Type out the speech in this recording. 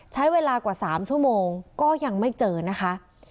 ใช้เวลากว่า๓ชั่วโมงก็ยังไม่เจอนะคะ